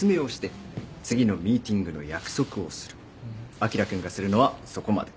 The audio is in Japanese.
あきら君がするのはそこまで。